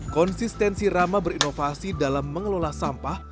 konsistensi rama berinovasi dalam mengelola sampah